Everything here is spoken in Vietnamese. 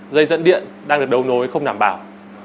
dây dẫn điện đang được đấu nối không đảm bảo